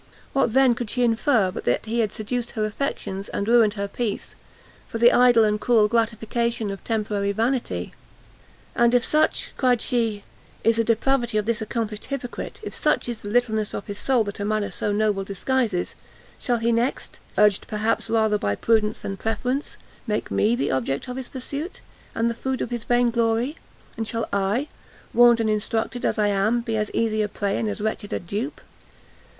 What then, could she infer, but that he had seduced her affections, and ruined her peace, for the idle and cruel gratification of temporary vanity? "And if such," cried she, "is the depravity of this accomplished hypocrite, if such is the littleness of soul that a manner so noble disguises, shall be next, urged, perhaps, rather by prudence than preference, make me the object of his pursuit, and the food of his vain glory? And shall I, warned and instructed as I am, be as easy a prey and as wretched a dupe?